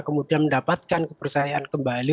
kemudian mendapatkan kepercayaan kembali